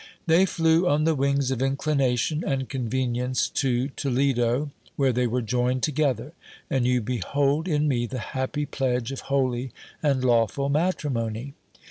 They flew on the wings of inclination and convenience to To ledo, where they were joined together; and you behold in me the happy pledge of holy and lawful matrimony.